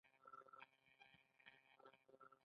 آیا صبر ډال دی؟